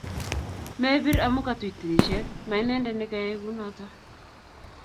Mebir amu katuy tirishet, mainendet negayey kunoto